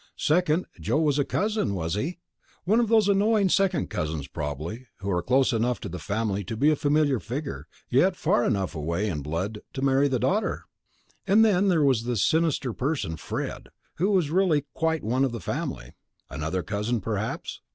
Second, Joe was a cousin, was he! One of those annoying second cousins, probably, who are close enough to the family to be a familiar figure, and yet far enough away in blood to marry the daughter! And then there was this sinister person, Fred, who was "really quite one of the family." Another cousin, perhaps?